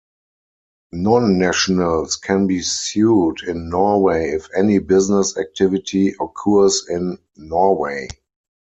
Non-nationals can be sued in Norway if any business activity occurs in Norway.